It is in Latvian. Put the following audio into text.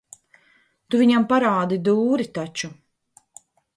Tu viņam parādi dūri taču.